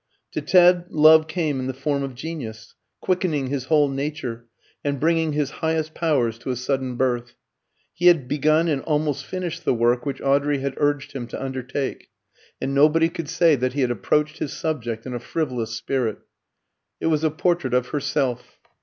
To Ted love came in the form of genius, quickening his whole nature, and bringing his highest powers to a sudden birth. He had begun and almost finished the work which Audrey had urged him to undertake, and nobody could say that he had approached his subject in a frivolous spirit. It was a portrait of herself.